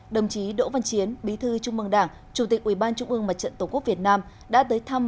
đồng chí đỗ văn chiến bí thư trung mương đảng chủ tịch ubnd tổ quốc việt nam đã tới thăm